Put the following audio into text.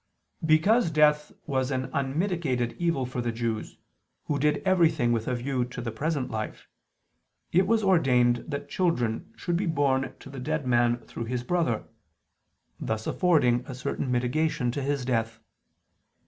"because death was an unmitigated evil for the Jews, who did everything with a view to the present life, it was ordained that children should be born to the dead man through his brother: thus affording a certain mitigation to his death.